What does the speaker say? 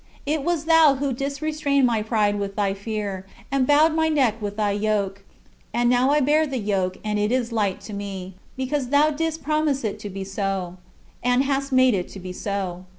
" It was thou who didst restrain my pride with thy fear, and bowed my neck to thy "yoke." And now I bear the yoke and it is "light" to me, because thou didst promise it to be so, and hast made it to be so.